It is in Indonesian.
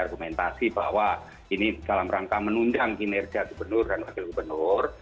argumentasi bahwa ini dalam rangka menunjang kinerja gubernur dan wakil gubernur